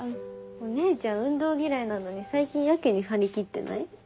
お姉ちゃん運動嫌いなのに最近やけに張り切ってない？